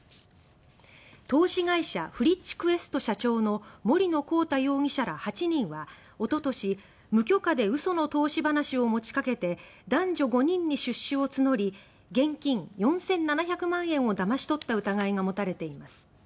投資会社フリッチクエスト社長の森野広太容疑者ら８人はおととし無許可で嘘の投資話を持ちかけて男女５人に出資を募り現金４７００万円をだまし取った疑いが持たれています。